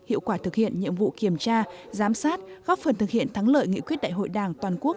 hiệu quả thực hiện nhiệm vụ kiểm tra giám sát góp phần thực hiện thắng lợi nghị quyết đại hội đảng toàn quốc